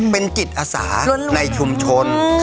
เป็นจิตอาสาในชุมชน